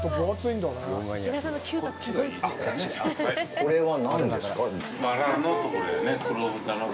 これは何ですか。